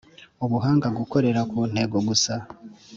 Ubuhanga gukorera ku ntego gusa